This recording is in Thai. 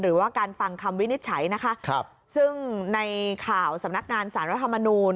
หรือว่าการฟังคำวินิจฉัยนะคะครับซึ่งในข่าวสำนักงานสารรัฐมนูล